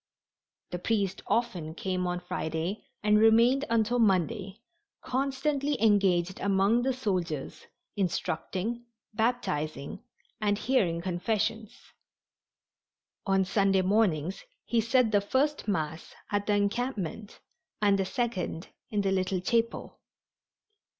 The priest often came on Friday and remained until Monday, constantly engaged among the soldiers, instructing, baptizing and hearing confessions. On Sunday mornings he said the first Mass at the encampment and the second in the little chapel.